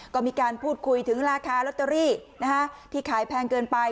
ก็มีการพูดคุยถึงราคาลอตเตอรี่ที่ขายแพงเกินไป